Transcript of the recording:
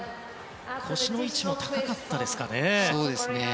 腰の位置も高かったですかね。